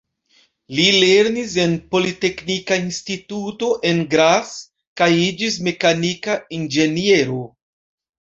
Li lernis en Politeknika Instituto, en Graz, kaj iĝis mekanika inĝeniero.